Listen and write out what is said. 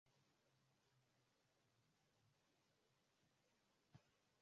Ni muhimu kujumuisha masuala ya Mazingira katika mchakato wa Mipango na maendeleo